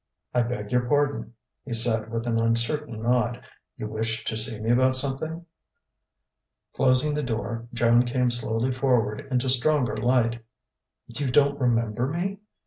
"I beg your pardon," he said with an uncertain nod. "You wished to see me about something?" Closing the door, Joan came slowly forward into stronger light. "You don't remember me?"